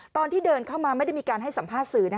ตอนที่เดินเข้ามาไม่ได้มีการให้สัมภาษณ์สื่อ